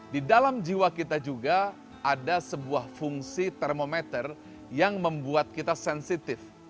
di dalam jiwa kita juga ada sebuah fungsi termometer yang membuat kita sensitif